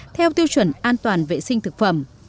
theo tiêu chuẩn an toàn vệ sinh thực phẩm